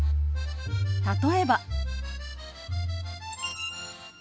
例えば。